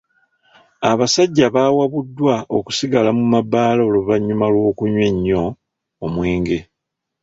Abasajja bawabuddwa okusigala mu mabbaala oluvannyuma lw'okunywa ennyo omwenge.